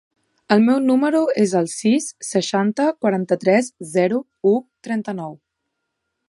El meu número es el sis, seixanta, quaranta-tres, zero, u, trenta-nou.